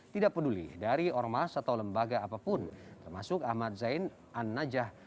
tidak peduli dari ormas atau lembaga apapun termasuk ahmad zain an najah